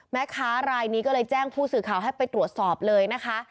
แม่ค้ารายนี้ก็เลยแจ้งผู้สื่อข่าวให้ไปตรวจสอบเลยนะคะ